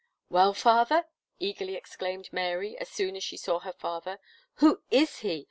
"Well, father," eagerly exclaimed Mary, as soon as she saw her father; "who is he?